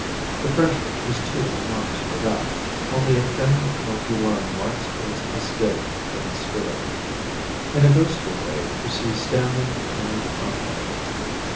The pressure is too enormous for that. Only a thin, milky line marks its escape from the sphere. In a ghostly way you see Stanley turning the pump handle.